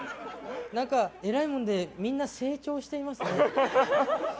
えらいもんでみんな成長してますね。